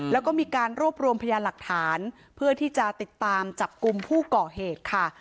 แล้วก็มีการรวบรวมพยานหลักฐานเพื่อที่จะติดตามจับกลุ่มผู้ก่อเหตุค่ะ